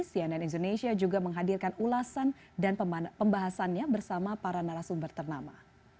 cnn indonesia juga menghadirkan ulasan dan pembahasannya bersama para narasumber ternama